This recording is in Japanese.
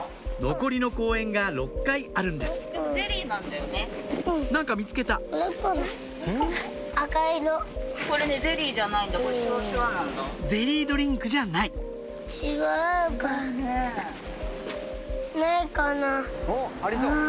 残りの公演が６回あるんです何か見つけたゼリードリンクじゃないおっありそう。